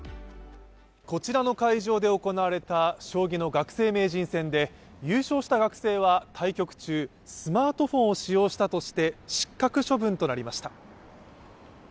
こちらの会場で行われた将棋の学生名人戦で優勝した学生は対局中、スマートフォンを使用したとして失格処分となりました。